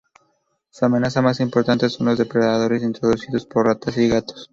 Su amenaza más importante son los depredadores introducidos, como ratas y gatos.